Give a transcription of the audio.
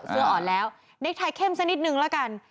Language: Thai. สัวอ่อนแล้วเน็กไทยเข้มซะนิดนึงละกัน